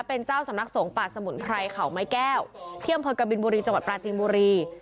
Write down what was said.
เป็นเจ้าสำนักสงฆ์ป่าสมุนไพรเขาไม้แก้วที่อำเภอกบินบุรีจังหวัดปราจีนบุรี